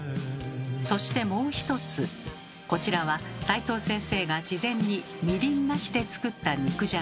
そしてもう一つこちらは斉藤先生が事前にみりんなしで作った肉じゃが。